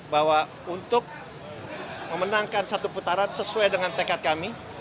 bahwa untuk memenangkan satu putaran sesuai dengan tekad kami